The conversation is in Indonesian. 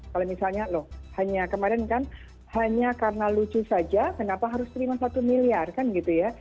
kalau misalnya loh hanya kemarin kan hanya karena lucu saja kenapa harus terima satu miliar kan gitu ya